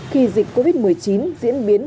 khi dịch covid một mươi chín diễn biến